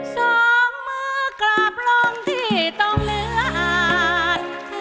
สองมือกลับลงที่ต้องเหลืออาจ